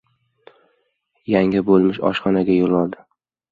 Yanga bo‘lmish oshxonaga yo‘l oldi.